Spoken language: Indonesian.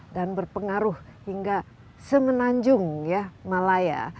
dan berpengaruh hingga semenanjung ya malaya